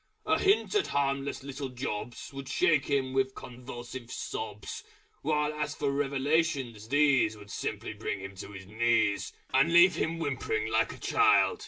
A Hint at harmless little jobs Would shake him with convulsive sobs. While as for Revelations, these Would simply bring him to his knees, And leave him whimpering like a child.